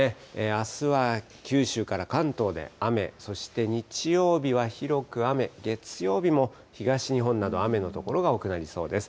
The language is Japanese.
あすは九州から関東で雨、そして日曜日は広く雨、月曜日も東日本など雨の所が多くなりそうです。